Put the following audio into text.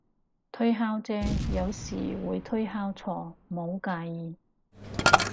推敲啫，有時會推敲錯，唔好介意